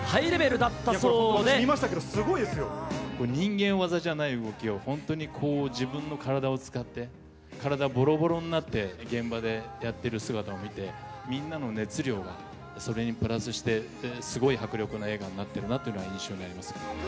見ましたけど、人間業じゃない動きを、本当に自分の体を使って、体ぼろぼろになって、現場でやっている姿を見て、みんなの熱量がそれにプラスして、すごい迫力の映画になっているなというのが印象にあります。